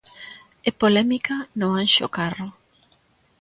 E polémica no Anxo Carro.